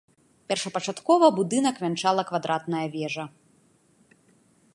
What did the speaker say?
Першапачаткова будынак вянчала квадратная вежа.